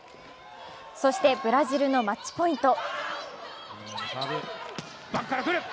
そしてブラジルのマッチポイント。